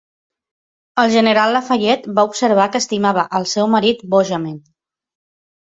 El general Lafayette va observar que estimava "el seu marit bojament".